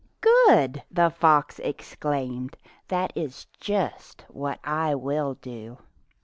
"Good!" the fox exclaimed, "that is just what I will do."